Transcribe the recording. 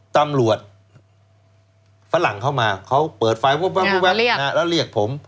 ตำรวจฝรั่งเข้ามาเขาเปิดไฟล์แล้วเรียกผม